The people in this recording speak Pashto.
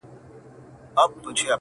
• پلار چوپتيا کي عذاب وړي تل,